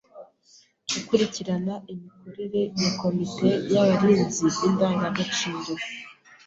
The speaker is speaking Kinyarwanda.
Gukurikirana imikorere ya Komite y’abarinzi b’indagagaciro